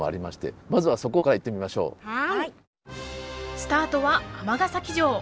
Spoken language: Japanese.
スタートは尼崎城。